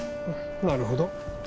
なるほど。